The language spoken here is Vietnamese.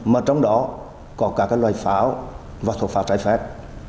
mà trong đó có cả các loại pháo và thuộc pháp trái phép